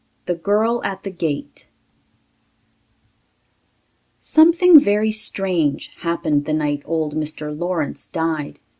The Girl at the Gate Something very strange happened the night old Mr. Lawrence died.